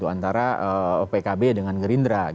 antara pkb dengan gerindra